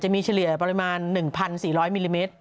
มีเฉลี่ยประมาณ๑๔๐๐มิลลิเมตร